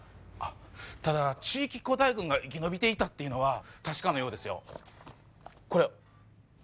ただ地域個体群が生き延びていたっていうのは確かなようですよ。これを。